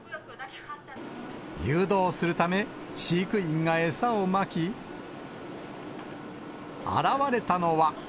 誘導するため、飼育員が餌をまき、現れたのは。